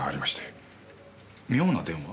妙な電話？